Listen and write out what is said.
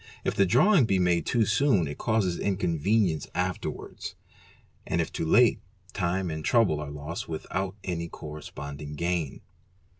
If the drawing be made too soon it causes inconvenience afterwards, and if too late, time and trouble are lost without any corres ponding gain.